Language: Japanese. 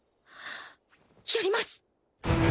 やります。